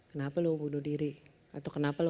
kenapa lo bunuh diri atau kenapa lo